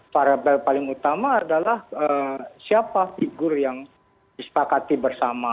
variable paling utama adalah siapa figur yang disepakati bersama